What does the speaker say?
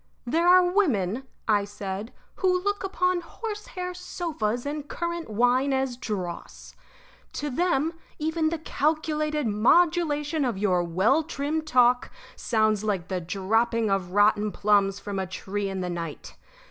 "There are women," I said, "who look upon horsehair sofas and currant wine as dross. To them even the calculated modulation of your well trimmed talk sounds like the dropping of rotten plums from a tree in the night.